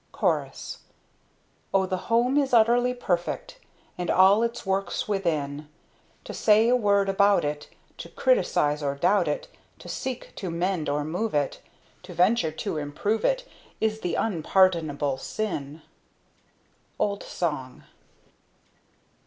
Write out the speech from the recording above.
CHORUS. Oh, the Home is Utterly Perfect! And all its works within! To say a word about it To criticize or doubt it To seek to mend or move it To venture to improve it Is The Unpardonable Sin! "Old Song."